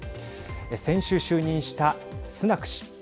先週就任したスナク氏。